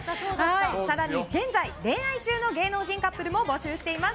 更に、現在恋愛中の芸能人カップルも募集しています。